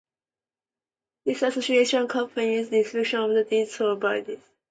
This association comprises representatives of these two bodies.